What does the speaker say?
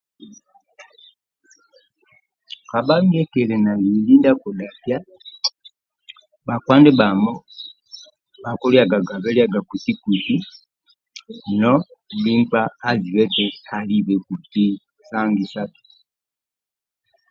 Kabha ndie kili na lieli ndia akidhakia bhakpa ndibhamo bhakilikagagabe liaga kuti kuti no nkpa azibe alibe kuti sa angisaki